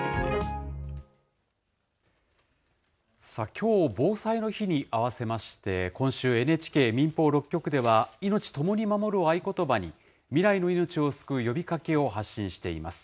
きょう、防災の日に合わせまして、今週、ＮＨＫ・民放６局では、いのちともに守るを合言葉に未来の命を救う呼びかけを発信しています。